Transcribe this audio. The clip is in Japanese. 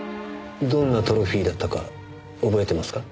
どんなトロフィーだったか覚えてますか？